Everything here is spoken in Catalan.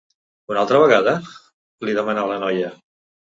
Una altra vegada? —li demana la noia.